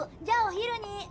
じゃお昼に。